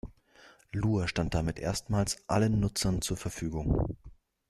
Lua stand damit erstmals allen Nutzern zur Verfügung.